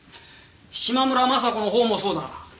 島村昌子のほうもそうだ。